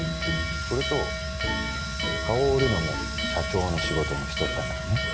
それと顔を売るのも社長の仕事の一つだからね。